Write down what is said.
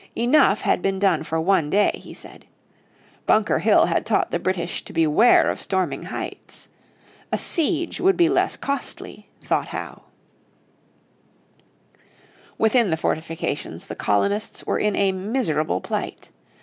Enough had been done for one day, he said. Bunker Hill had taught the British to beware of storming heights. A siege would be less costly, thought Howe. Within the fortifications the colonists were in a miserable plight.